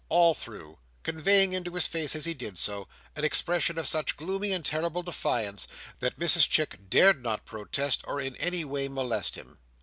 all through; conveying into his face as he did so, an expression of such gloomy and terrible defiance, that Mrs Chick dared not protest, or in any way molest him.